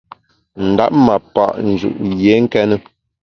Ndap ma pa’ nju’ yié nkéne.